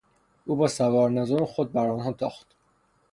او با سواره نظام خود بر آنها تاخت.